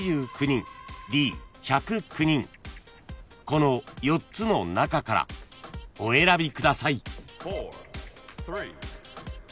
［この４つの中からお選びください］